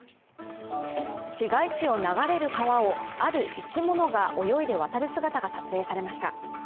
市街地を流れる川をある生き物が泳いで渡る姿が撮影されました。